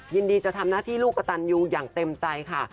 ยินดีจะทำหน้าที่ลูกกระตันยูอย่างเต็มใจค่ะ